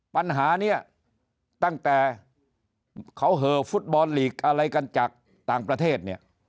ปัญหานี้ตั้งแต่เขาเหอฟุตบอลลีกอะไรกันจากต่างประเทศเนี่ย